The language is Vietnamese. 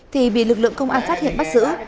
thì bị lực lượng công an phát hiện bắt giữ